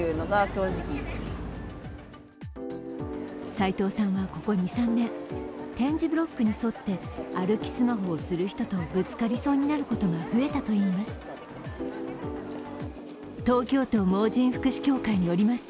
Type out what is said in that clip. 齊藤さんは、ここ２３年点字ブロックに沿って歩きスマホをする人とぶつかりそうになることが増えたといいます。